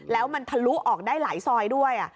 แล้วมันทะลุออกได้หลายซอยด้วย